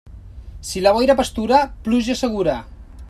Si la boira pastura, pluja segura.